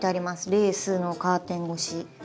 レースのカーテン越し。